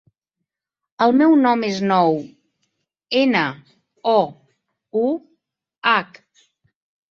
El meu nom és Nouh: ena, o, u, hac.